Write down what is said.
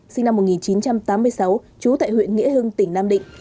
sinh năm một nghìn chín trăm tám mươi sáu trú tại huyện nghĩa hưng tỉnh nam định